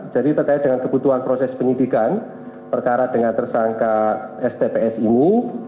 jadi terkait dengan kebutuhan proses penyidikan perkara dengan tersangka stps ini